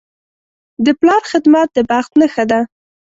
د پلار خدمت د بخت نښه ده.